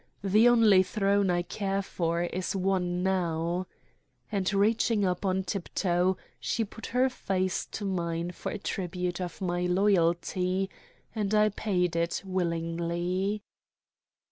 The only throne I care for is won now," and, reaching up on tiptoe, she put up her face to mine for a tribute of my loyalty, and I paid it willingly.